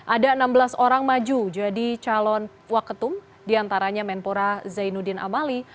ada enam belas orang maju jadi calon waketum diantaranya menpora zainuddin amali